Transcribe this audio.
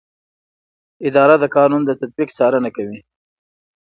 اداره د قانون د تطبیق څارنه کوي.